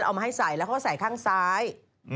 เอามาให้ใส่แล้วเขาก็ใส่ข้างซ้าย